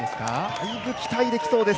だいぶ期待できそうです